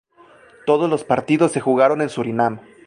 Todos los partidos se jugaron en Surinam.